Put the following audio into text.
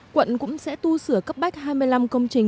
quận cũng sẽ tu sửa cấp bách hai mươi năm công trình